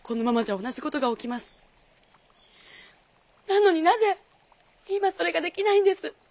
なのになぜ今それが出来ないんです？